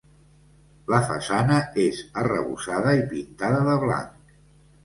La façana és arrebossada i pintada de blanc.